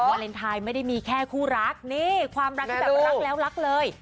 วาเลนไทยไม่ได้มีแค่คู่รักนี่ความรักที่แบบรักแล้วรักเลย